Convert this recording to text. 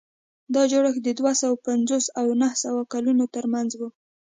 دا جوړښت د دوه سوه پنځوس او نهه سوه کلونو ترمنځ و.